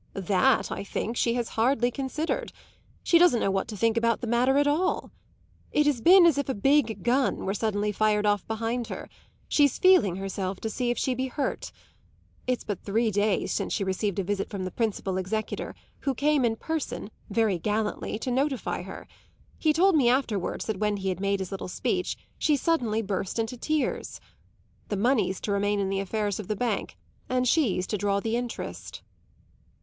"That, I think, she has hardly considered. She doesn't know what to think about the matter at all. It has been as if a big gun were suddenly fired off behind her; she's feeling herself to see if she be hurt. It's but three days since she received a visit from the principal executor, who came in person, very gallantly, to notify her. He told me afterwards that when he had made his little speech she suddenly burst into tears. The money's to remain in the affairs of the bank, and she's to draw the interest."